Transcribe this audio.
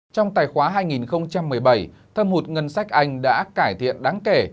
trong tài khoá hai nghìn một mươi bảy thâm hụt ngân sách anh đã cải thiện đáng kể